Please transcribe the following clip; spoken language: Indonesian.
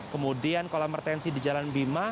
kemudian kolam retensi di jalan bima